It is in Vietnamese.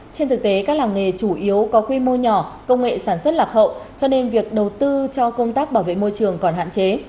trên thực tế các làng nghề chủ yếu có quy mô nhỏ công nghệ sản xuất lạc hậu cho nên việc đầu tư cho công tác bảo vệ môi trường còn hạn chế